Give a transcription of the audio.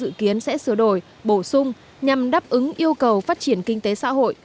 dự kiến sẽ sửa đổi bổ sung nhằm đáp ứng yêu cầu phát triển kinh tế xã hội